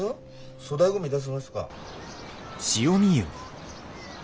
粗大ゴミ出しますか？